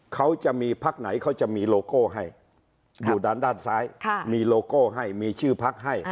เขาจะมีพักไหนเขาจะมีโลโก้ให้อยู่ด้านซ้ายมีโลโก้ให้มีชื่อพักให้